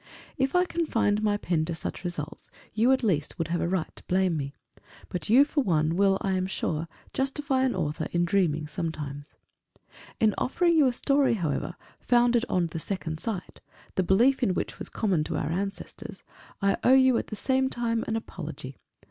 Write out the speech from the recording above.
If I confined my pen to such results, you, at least, would have a right to blame me. But you, for one, will, I am sure, justify an author in dreaming sometimes. In offering you a story, however, founded on The Second Sight, the belief in which was common to our ancestors, I owe you, at the same time, an apology.